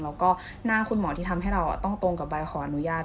แล้วก็หน้าคุณหมอที่ทำให้เราต้องตรงกับใบขออนุญาต